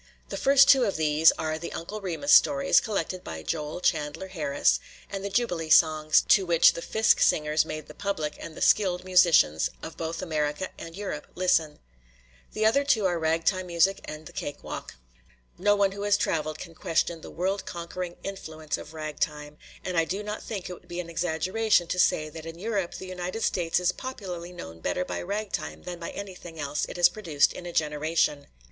The first two of these are the Uncle Remus stories, collected by Joel Chandler Harris, and the Jubilee songs, to which the Fisk singers made the public and the skilled musicians of both America and Europe listen. The other two are ragtime music and the cake walk. No one who has traveled can question the world conquering influence of ragtime, and I do not think it would be an exaggeration to say that in Europe the United States is popularly known better by ragtime than by anything else it has produced in a generation.